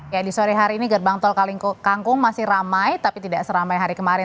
ya di sore hari ini gerbang tol kangkung masih ramai tapi tidak seramai hari kemarin